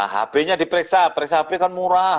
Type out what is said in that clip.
hbnya diperiksa periksa hb kan murah